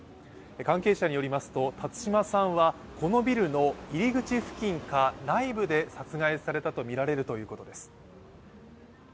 関係者によりますと、辰島さんはこのビルの入り口付近か内部で殺害されたとみられるということです。